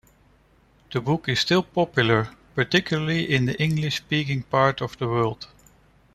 The book is still popular, particularly in the English speaking part of the world.